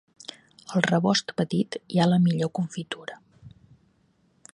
Al rebost petit hi ha la millor confitura.